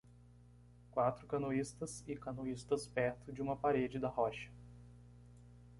Quatro canoístas e canoístas perto de uma parede da rocha.